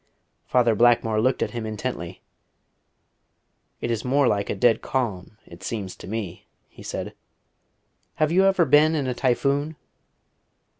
Father Blackmore looked at him intently. "It is more like a dead calm, it seems to me," he said. "Have you ever been in a typhoon?"